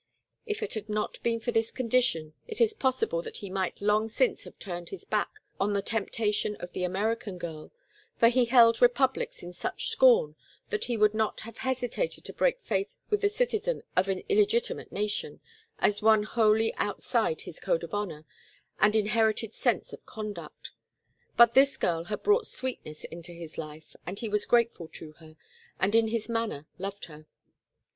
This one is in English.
If it had not been for this condition it is possible that he might long since have turned his back on the temptation of the American girl, for he held republics in such scorn that he would not have hesitated to break faith with the citizen of an illegitimate nation, as one wholly outside his code of honor and inherited sense of conduct. But this girl had brought sweetness into his life and he was grateful to her, and in his manner loved her.